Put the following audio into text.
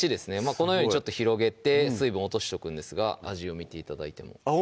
このようにちょっと広げて水分落としとくんですが味を見て頂いてもあっ